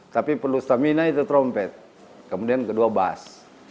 tapi perlu stamina itu trompet kemudian kedua bas